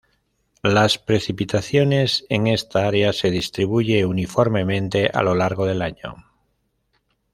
Las precipitaciones en esta área se distribuye uniformemente a lo largo del año.